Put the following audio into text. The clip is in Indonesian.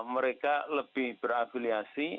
mereka lebih berafiliasi